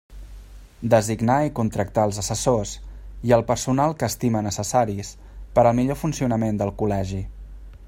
Designar i contractar els assessors, i el personal que estime necessaris, per al millor funcionament del Col·legi.